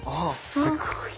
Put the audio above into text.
すごい。